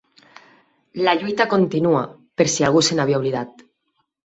La lluita continua. Per si algú se n'havia oblidat...